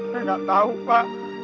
saya gak tau pak